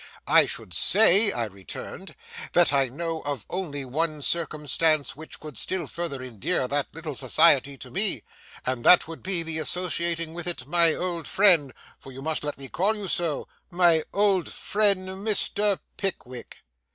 'I should say,' I returned, 'that I know of only one circumstance which could still further endear that little society to me, and that would be the associating with it my old friend,—for you must let me call you so,—my old friend, Mr. Pickwick.